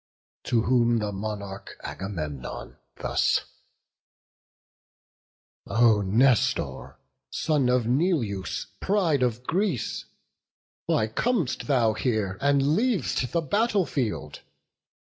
To whom the monarch Agamemnon thus: "O Nestor, son of Neleus, pride of Greece, Why com'st thou here, and leav'st the battle field?